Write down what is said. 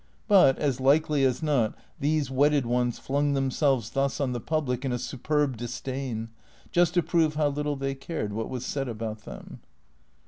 But as likely as not these wedded ones flung themselves thus on the public in a superb disdain, just to prove how little they cared what was said about them.